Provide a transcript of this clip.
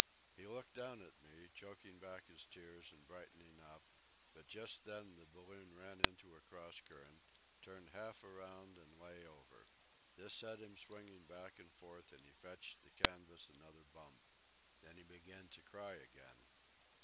He looked down at me, choking back his tears and brightening up, but just then the balloon ran into a cross current, turned half around and lay over. This set him swinging back and forth, and he fetched the canvas another bump. Then he began to cry again.